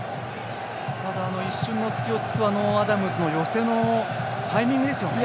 一瞬の隙を突くアダムズの寄せのタイミングですよね。